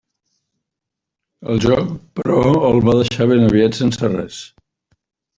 El joc, però, el va deixar ben aviat sense res.